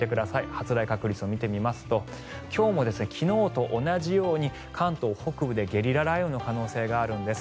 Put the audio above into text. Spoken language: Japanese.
発雷確率を見てみますと今日も昨日と同じように関東北部でゲリラ雷雨の可能性があるんです。